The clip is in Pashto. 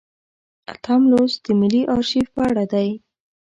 اتم لوست د ملي ارشیف په اړه دی.